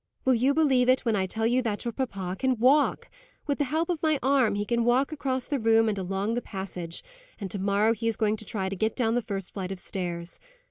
Will you believe it, when I tell you that your papa can walk! With the help of my arm, he can walk across the room and along the passage; and to morrow he is going to try to get down the first flight of stairs.